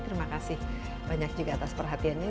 terima kasih banyak juga atas perhatiannya